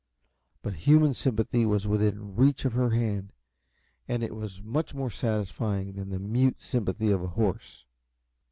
But human sympathy was within reach of her hand, and it was much more satisfying than the mute sympathy of a horse.